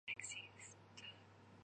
但歌词全部也相同。